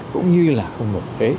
cũng như là không được kê